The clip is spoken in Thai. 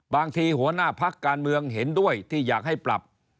หัวหน้าพักการเมืองเห็นด้วยที่อยากให้ปรับ